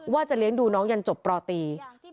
ว่าจะเลี้ยงดูน้องยันจบปตี